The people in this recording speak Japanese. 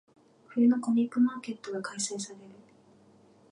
冬のコミックマーケットが開催される。